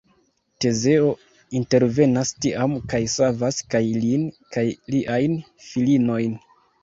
Tezeo intervenas tiam kaj savas kaj lin kaj liajn filinojn.